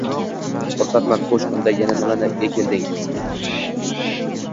Xursandman, xo`sh unda yana nimaga kelding